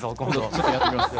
ちょっとやってみます。